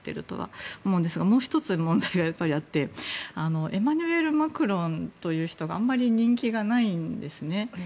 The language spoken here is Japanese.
もう１つ問題があってエマニュエル・マクロンという人があまり人気がないんですね。